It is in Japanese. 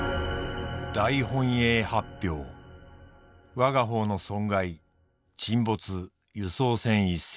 我方の損害沈没輸送船一隻」。